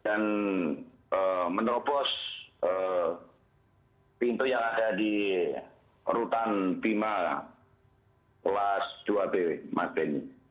dan menerobos pintu yang ada di rutan bima kelas dua b mas benny